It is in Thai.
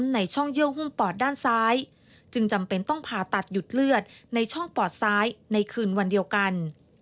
ในช่องปอดซ้ายในคืนวันเดียวกัน